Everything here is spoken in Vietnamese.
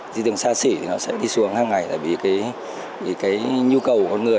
thị trường xa xỉ thì nó sẽ đi xuống hàng ngày vì cái nhu cầu của người